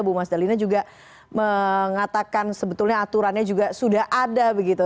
bu mas dalina juga mengatakan sebetulnya aturannya juga sudah ada begitu